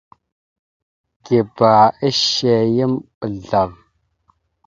Gǝba ishe yam ɓəzlav.